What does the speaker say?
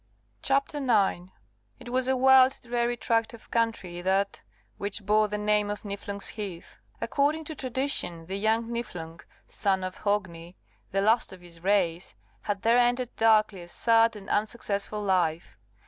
CHAPTER 9 It was a wild dreary tract of country that, which bore the name of Niflung's Heath. According to tradition, the young Niflung, son of Hogni, the last of his race, had there ended darkly a sad and unsuccessful life.